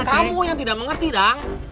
kamu yang tidak mengerti dong